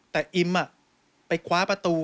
แต่อิมไปคว้าประตู